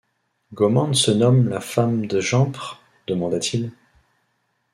Gommand se nomme la phâme te jampre? demanda-t-il.